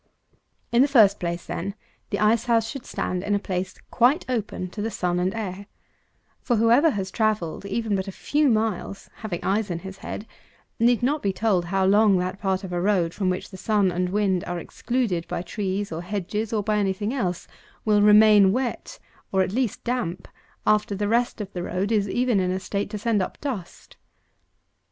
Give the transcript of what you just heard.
238. In the first place, then, the ice house should stand in a place quite open to the sun and air; for whoever has travelled even but a few miles (having eyes in his head) need not be told how long that part of a road from which the sun and wind are excluded by trees, or hedges, or by any thing else, will remain wet, or at least damp, after the rest of the road is even in a state to send up dust.